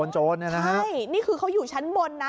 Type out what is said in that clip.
ใช่นี่คือเขาอยู่ชั้นบนนะ